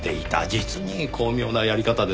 実に巧妙なやり方です。